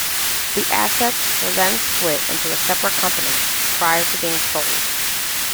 The assets were then split into a separate company, prior to being sold.